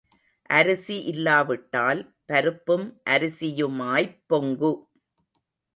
அரிசி இல்லாவிட்டால் பருப்பும் அரிசியுமாய்ப் பொங்கு.